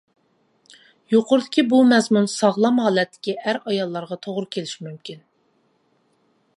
يۇقىرىدىكى بۇ مەزمۇن ساغلام ھالەتتىكى ئەر-ئاياللارغا توغرا كېلىشى مۇمكىن.